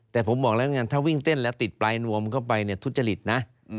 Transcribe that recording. แต่ผมบอกแล้วกันถ้าวิ่งเต้นแล้วติดปลายนวมเข้าไปเนี่ยทุจริตนะ